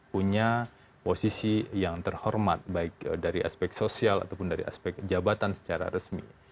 punya posisi yang terhormat baik dari aspek sosial ataupun dari aspek jabatan secara resmi